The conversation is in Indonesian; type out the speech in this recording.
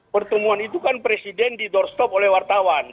pertemuan itu kan presiden didorstop oleh wartawan